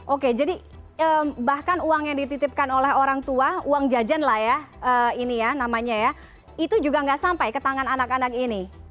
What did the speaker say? oke jadi bahkan uang yang dititipkan oleh orang tua uang jajan lah ya ini ya namanya ya itu juga nggak sampai ke tangan anak anak ini